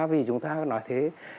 vì chúng ta nói thế